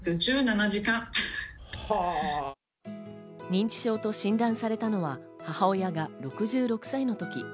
認知症と診断されたのは母親が６６歳のとき。